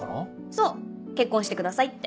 そう「結婚してください」って。